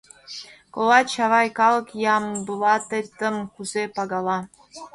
— Колат, Чавай, калык Ямблатетым кузе пагала?